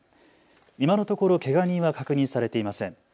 今のところけが人は確認されていません。